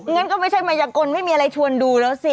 งั้นก็ไม่ใช่มายกลไม่มีอะไรชวนดูแล้วสิ